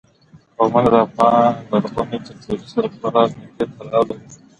قومونه د افغان لرغوني کلتور سره پوره او نږدې تړاو لري.